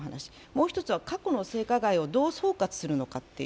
もう１つは、過去の性加害をどう総括するのか。